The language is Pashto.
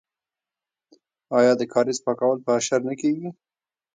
آیا د کاریز پاکول په اشر نه کیږي؟